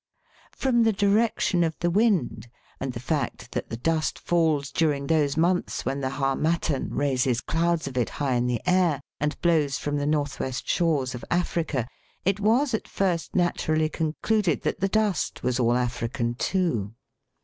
From the direction of the wind, and the fact that the dust falls during those months when the harmattan raises clouds of it high in the air, and blows from the north west shores of Africa, it was at first naturally con cluded that the dust was all African too.